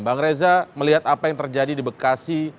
bang reza melihat apa yang terjadi di bekasi